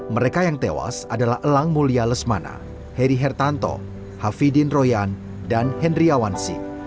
mereka yang tewas adalah elang mulia lesmana heri hertanto hafidin royan dan hendriawansi